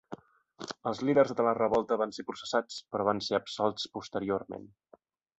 Els líders de la revolta van ser processats, però van ser absolts posteriorment.